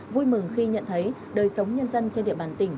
vui mừng khi nhận thấy đời sống nhân dân trên địa bàn tỉnh